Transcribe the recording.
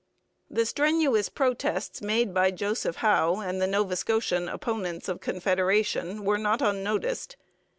The strenuous protests made by Joseph Howe and the Nova Scotian opponents of Confederation were not unnoticed.